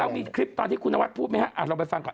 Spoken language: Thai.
แล้วมีคลิปต่อที่คุณนวัดพูดไหมฮะอ่าเราไปฟังก่อน